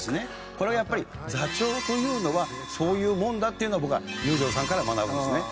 これはやっぱり座長というのはそういうもんだっていうのを僕は裕次郎さんから学ぶんですね。